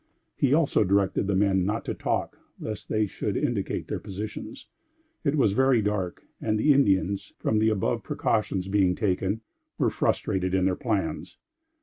He also directed the men not to talk, lest they should indicate their positions. It was very dark, and the Indians, from the above precautions being taken, were frustrated in their plans.